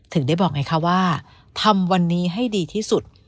ถึงได้บอกไงคะว่าทำวันนี้ให้ดีที่สุด